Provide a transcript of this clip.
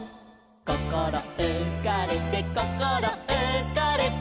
「こころうかれてこころうかれて」